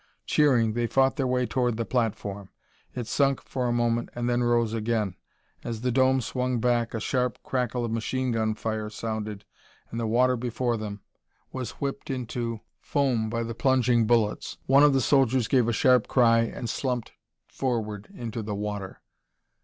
Cheering, they fought their way toward the platform. It sunk for a moment and then rose again. As the dome swung back a sharp crackle of machine gun fire sounded and the water before them was whipped into foam by the plunging bullets. One of the soldiers gave a sharp cry and slumped forward into the water.